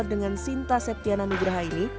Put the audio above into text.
dengan sinta septiana nugraha ini